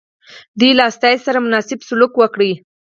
دوی له استازي سره مناسب سلوک وکړي.